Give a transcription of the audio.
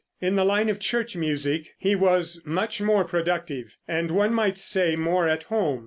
In the line of church music he was much more productive, and one might say, more at home.